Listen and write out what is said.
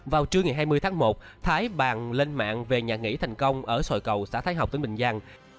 vào trưa ngày hai mươi tháng một thái bàn lên mạng về nhà nghỉ thành công ở sòi cầu xã thái học tỉnh bình giang